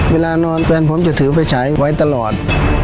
เวลานอนแฟนผมจะถือไฟฉายไว้ตลอด